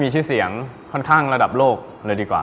มีชื่อเสียงค่อนข้างระดับโลกเลยดีกว่า